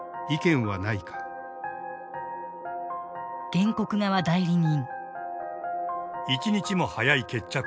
原告側代理人。